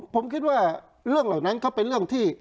ผมคิดว่าเรื่องเหล่านั้นก็เป็นเรื่องที่